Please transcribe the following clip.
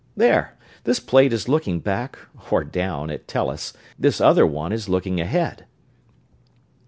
"There this plate is looking back, or down, at Tellus; this other one is looking ahead."